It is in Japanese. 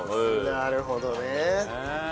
なるほどね。